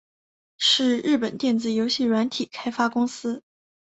是日本电子游戏软体开发公司。